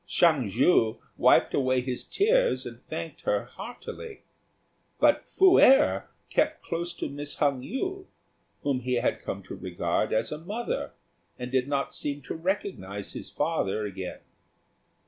Hsiang ju wiped away his tears and thanked her heartily; but Fu êrh kept close to Miss Hung yü, whom he had come to regard as a mother, and did not seem to recognise his father again.